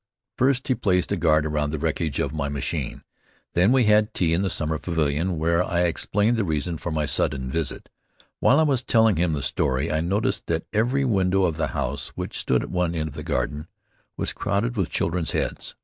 First he placed a guard around the wreckage of my machine; then we had tea in the summer pavilion, where I explained the reason for my sudden visit. While I was telling him the story, I noticed that every window of the house, which stood at one end of the garden, was crowded with children's heads.